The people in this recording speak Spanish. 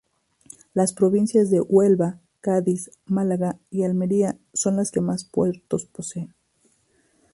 Las provincias de Huelva, Cádiz, Málaga y Almería son las que más puertos poseen.